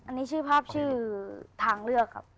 อันนี้ชื่อภาพชื่อทางเลือกครับ